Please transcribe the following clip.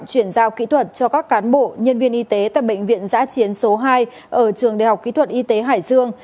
chuyển giao kỹ thuật cho các cán bộ nhân viên y tế tại bệnh viện giã chiến số hai ở trường đại học kỹ thuật y tế hải dương